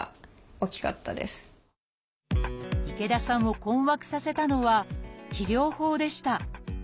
池田さんを困惑させたのは治療法でした。